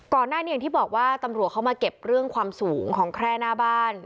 อย่างที่บอกว่าตำรวจเขามาเก็บเรื่องความสูงของแคร่หน้าบ้าน